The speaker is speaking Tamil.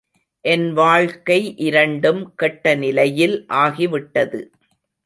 என் வாழ்க்கை இரண்டும் கெட்ட நிலையில் ஆகி விட்டது.